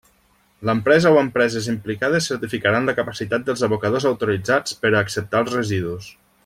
L'empresa o empreses implicades certificaran la capacitat dels abocadors autoritzats per a acceptar els residus.